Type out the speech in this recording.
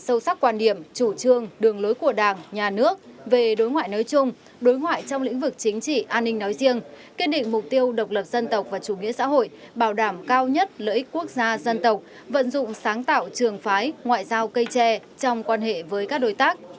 sâu sắc quan điểm chủ trương đường lối của đảng nhà nước về đối ngoại nói chung đối ngoại trong lĩnh vực chính trị an ninh nói riêng kiên định mục tiêu độc lập dân tộc và chủ nghĩa xã hội bảo đảm cao nhất lợi ích quốc gia dân tộc vận dụng sáng tạo trường phái ngoại giao cây tre trong quan hệ với các đối tác